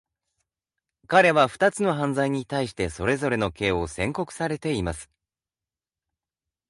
彼はふたつの犯罪に対してそれぞれの刑を宣告されています。